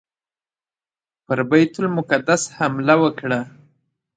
پر بیت المقدس حمله وکړه.